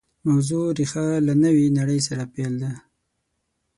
موضوع ریښه له نوې نړۍ سره پیل ده